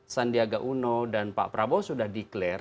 sandiaga uno dan pak prabowo sudah declare